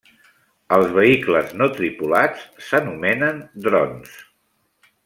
Els vehicles no tripulats s'anomenen drons.